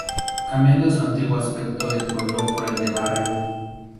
Cambiando su antiguo aspecto de pueblo por el de barrio.